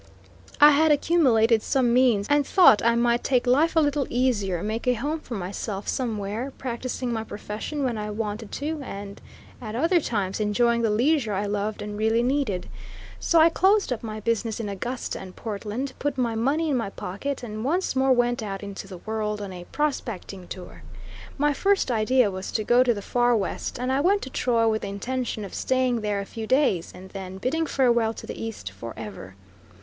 I had accumulated some means, and thought I might take life a little easier make a home for myself somewhere, practicing my profession when I wanted to, and at other times enjoying the leisure I loved and really needed. So I closed up my business in Augusta and Portland, put my money in my pocket, and once more went out into the world on a prospecting tour. My first idea was to go to the far West, and I went to Troy with the intention of staying there a few days, and then bidding farewell to the East forever.